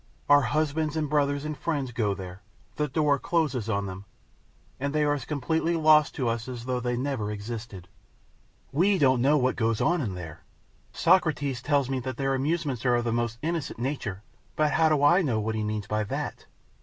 Our husbands and brothers and friends go there; the door closes on them, and they are as completely lost to us as though they never existed. We don't know what goes on in there. Socrates tells me that their amusements are of a most innocent nature, but how do I know what he means by that?